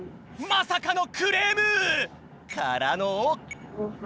まさかのクレーム！からの？